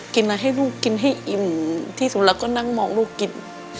อะไรให้ลูกกินให้อิ่มที่สุดแล้วก็นั่งมองลูกกิน